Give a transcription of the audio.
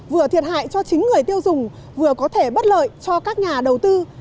vừa thiệt hại cho chính người tiêu dùng vừa có thể bất lợi cho các nhà đầu tư